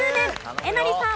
えなりさん。